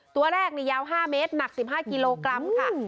ตัวแรกยาว๕เมตรหนัก๑๕กิโลกรัมค่ะ